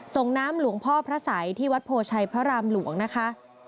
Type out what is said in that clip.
ส่งน้ำหลวงพ่อพระสัยที่วัดโพชัยพระรามหลวงนะคะ